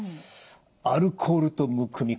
アルコールとむくみ